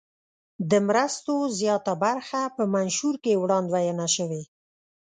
د مرستو زیاته برخه په منشور کې وړاندوینه شوې.